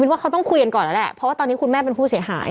ว่าเขาต้องคุยกันก่อนแล้วแหละเพราะว่าตอนนี้คุณแม่เป็นผู้เสียหาย